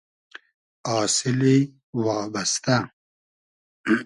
آسیلی وابئستۂ